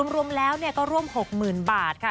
รวมแล้วก็ร่วม๖๐๐๐บาทค่ะ